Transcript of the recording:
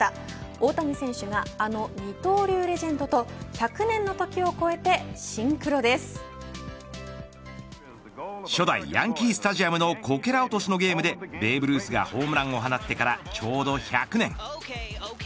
大谷選手があの二刀流レジェンドと１００年の時を超えて初代ヤンキースタジアムのこけら落としのゲームでベーブ・ルースがホームランを放ってからちょうど１００年。